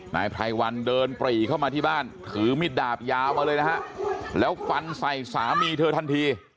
นายไพรวันเดินปรีเข้ามาที่บ้านถือมิดดาบยาวมาเลยนะฮะแล้วฟันใส่สามีเธอทันที